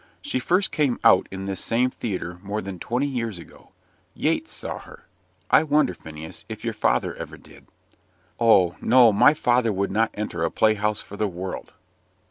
She first came out in this same theatre more than twenty years ago. Yates saw her. I wonder, Phineas, if your father ever did." "Oh, no my father would not enter a play house for the world."